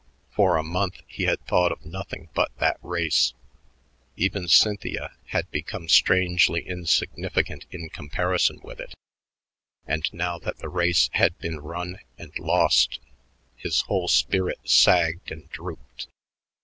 For a month he had thought of nothing but that race even Cynthia had become strangely insignificant in comparison with it and now that the race had been run and lost, his whole spirit sagged and drooped.